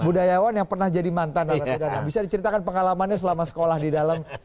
budayawan yang pernah jadi mantan narapidana bisa diceritakan pengalamannya selama sekolah di dalam